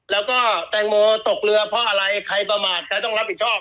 แล้วก็แตงโมตกเรือเพราะอะไรใครประมาทใครต้องรับผิดชอบ